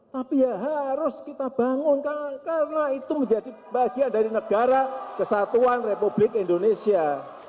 tapi ya harus kita bangun karena itu menjadi bagian dari negara kesatuan republik indonesia